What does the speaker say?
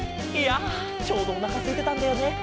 いやちょうどおなかすいてたんだよね。